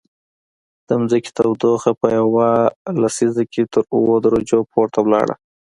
د ځمکې تودوخه په یوه لسیزه کې تر اووه درجو پورته لاړه